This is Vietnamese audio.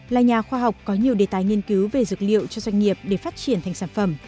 là nhà khoa học có nhiều đề tài nghiên cứu về dược liệu cho doanh nghiệp để phát triển thành sản phẩm